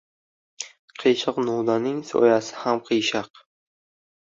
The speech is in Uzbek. • Qiyshiq novdaning soyasi ham qiyshiq.